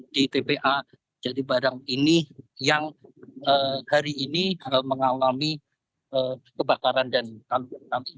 di tpa jadi barang ini yang hari ini mengalami kebakaran dan tanggul kami